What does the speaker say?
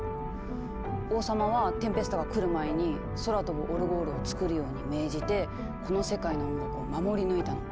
王様はテンペスタが来る前に空飛ぶオルゴールを作るように命じてこの世界の音楽を守り抜いたの。